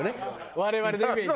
我々のイメージはね。